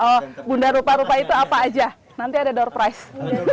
oh bunda rupa rupa itu apa aja nanti ada door price